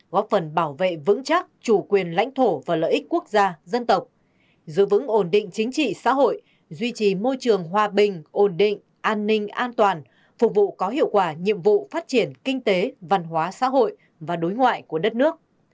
góp phần bảo vệ vững chắc chủ quyền lãnh thổ và lợi ích quốc gia dân tộc giữ vững ổn định chính trị xã hội duy trì môi trường hòa bình ổn định an ninh an toàn phục vụ có hiệu quả nhiệm vụ phát triển kinh tế văn hóa xã hội và đối ngoại của đất nước